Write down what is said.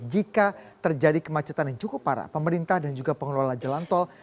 jika terjadi kemacetan yang cukup parah pemerintah dan juga pengelola jalan tol